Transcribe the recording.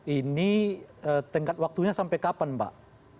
ini tengkat waktunya sampai kapan pak